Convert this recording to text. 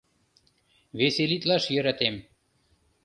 Веселитлаш йӧратем.